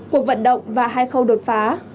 cuộc vận động và hai khâu đột phá